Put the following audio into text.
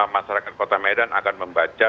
masyarakat kota medan akan membaca